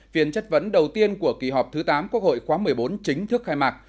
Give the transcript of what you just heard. phiên chất vấn đầu tiên của kỳ họp thứ tám quốc hội khóa một mươi bốn chính thức khai mạc